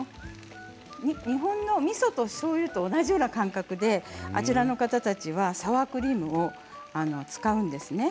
日本のみそとしょうゆと同じような感覚であちらの方たちはサワークリームを使うんですね。